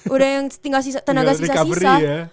udah yang tinggal tenaga sisa sisa